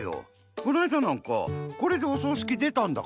このあいだなんかこれでおそうしきでたんだから。